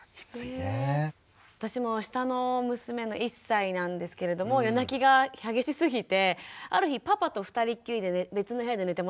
私も下の娘が１歳なんですけれども夜泣きが激しすぎてある日パパと２人きりで別の部屋で寝てもらったんですね。